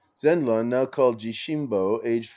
Zenran, now called Jishimb5, aged 47.